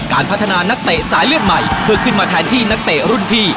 การพัฒนานักเตะสายเลือดใหม่เพื่อขึ้นมาแทนที่นักเตะรุ่นพี่